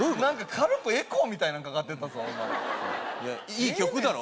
軽くエコーみたいなんかかってたぞいい曲だろ？